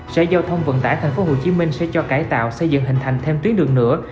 sở giao thông vận tải tp hcm sẽ cho cải tạo xây dựng hình thành thêm tuyến đường nữa